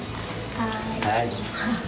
はい。